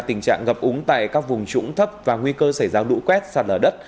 tình trạng gặp úng tại các vùng trũng thấp và nguy cơ xảy ra đũ quét sạt lở đất